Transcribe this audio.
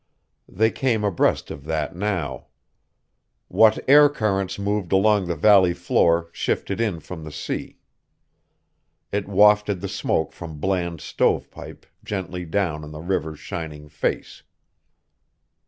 They came abreast of that now. What air currents moved along the valley floor shifted in from the sea. It wafted the smoke from Bland's stovepipe gently down on the river's shining face.